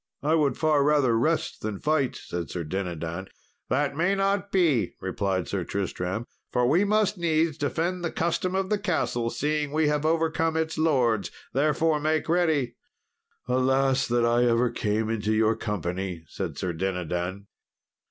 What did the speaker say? "I would far rather rest than fight," said Sir Dinadan. "That may not be," replied Sir Tristram, "for we must needs defend the custom of the castle, seeing we have overcome its lords; therefore, make ready." "Alas that I ever came into your company," said Sir Dinadan.